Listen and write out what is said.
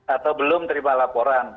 atau belum terima laporan